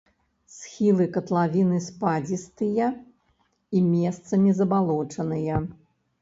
Схілы катлавіны спадзістыя і месцамі забалочаныя.